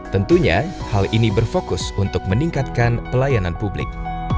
tentunya hal ini berfokus untuk meningkatkan pelayanan publik